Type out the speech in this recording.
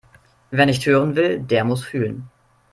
Wer nicht hören will, der muss fühlen.